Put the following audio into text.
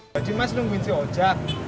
jadi mas nungguin si ojak